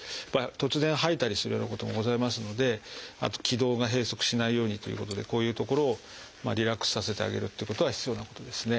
突然吐いたりするようなこともございますのであと気道が閉塞しないようにということでこういう所をリラックスさせてあげるっていうことが必要なことですね。